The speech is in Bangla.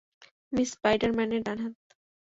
আমি স্পাইডার-ম্যানের ডানহাত।